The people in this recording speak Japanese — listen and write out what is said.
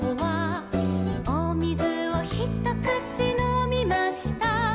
「おみずをひとくちのみました」